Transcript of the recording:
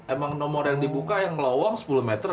emang nomor yang dibuka yang ngelowong sepuluh meter